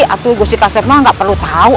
atau gusti kaset mah gak perlu tau